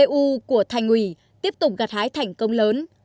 tổng số hai ctr tu của thành uỷ tiếp tục gạt hái thành công lớn